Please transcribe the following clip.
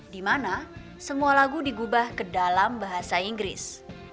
dimana semua lagu digubah ke dalam bahasa inggris